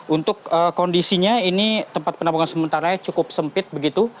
untuk kondisinya ini tempat penampungan sementara cukup sempit begitu